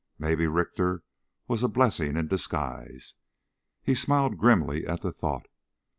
Maybe Richter was a blessing in disguise. He smiled grimly at the thought.